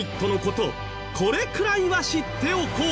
これくらいは知っておこう。